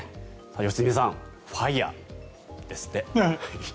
良純さん、ＦＩＲＥですって。